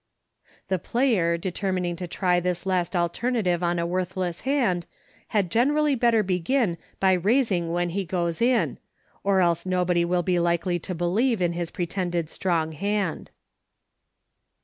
The player, determining to try this last alternative on a worthless hand, had generally better begin by raising when he goes in, or else nobody will be likely to believe in his pretended strong hand.